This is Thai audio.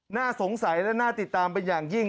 น่าสงสัยและน่าติดตามเป็นอย่างยิ่ง